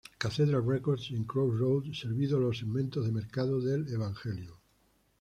Cathedral Records y Crossroads servido los segmentos de mercado del Evangelio.